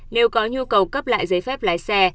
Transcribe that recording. nếu có nhu cầu cấp lại giấy phép lái xe